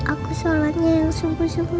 aku sholatnya yang sungguh sungguh